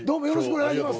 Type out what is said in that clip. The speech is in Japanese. お願いします。